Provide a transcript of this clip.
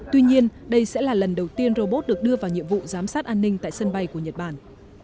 tuy nhiên đây sẽ là lần đầu tiên robot được đưa vào nhiệm vụ giám sát an ninh tại sân bay của nhật bản